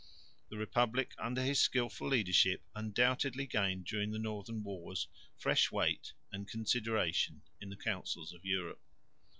The republic under his skilful leadership undoubtedly gained during the northern wars fresh weight and consideration in the Councils of Europe.